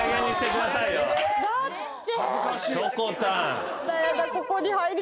だって。